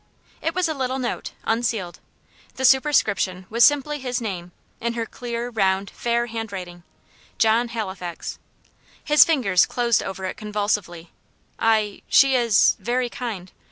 It was a little note unsealed. The superscription was simply his name, in her clear, round, fair hand writing "John Halifax." His fingers closed over it convulsively. "I she is very kind."